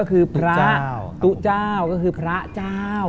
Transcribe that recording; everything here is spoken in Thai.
อ๋อก็คือพระตุเจ้า